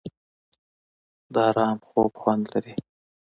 د ارام خوب خوند لري.